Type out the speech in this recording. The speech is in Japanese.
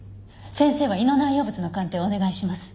先生は胃の内容物の鑑定をお願いします。